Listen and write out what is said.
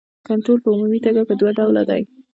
کنټرول په عمومي توګه په دوه ډوله دی.